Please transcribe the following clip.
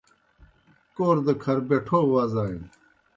کور دہ کھر بیٹَھو وزانیْ۔